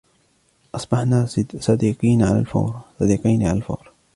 أصبحنا صديقين على الفور.